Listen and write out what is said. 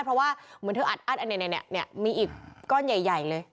เหรอว่าเมื่อเค้าอัดอันนี้นะมีอีกก้อนใหญ่เลย